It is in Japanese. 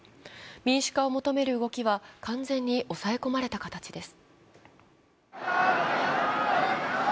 民主化を求める動きは完全に抑え込まれた形です。